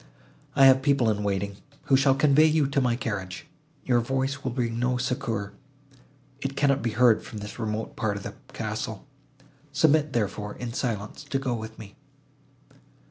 I have people in waiting, who shall convey you to my carriage. Your voice will bring no succour; it cannot be heard from this remote part of the castle; submit, therefore, in silence, to go with me."